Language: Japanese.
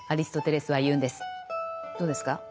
どうですか？